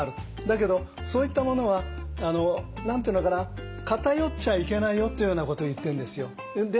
だけどそういったものは偏っちゃいけないよっていうようなことを言ってるんですよ。